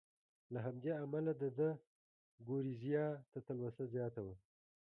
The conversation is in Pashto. له همدې امله د ده ګورېزیا ته تلوسه زیاته وه.